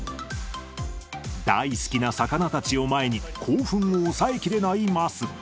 大好きな魚たちを前に、興奮を抑えきれない桝。